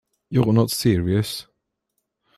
You're not serious.